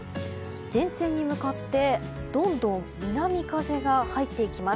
前線に向かってどんどん南風が入っていきます。